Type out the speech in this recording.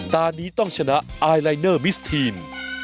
ตอนนี้ต้องชนะไอลายเนอร์มิสทีน